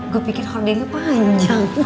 gue pikir holdingnya panjang